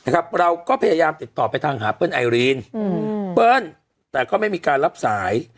เราก็พยายามติดต่อไปทางหาเปิ้ลไอรีนเปิ้ลแต่ก็ไม่มีการรับสาย